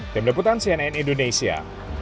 tim leputan cnn indonesia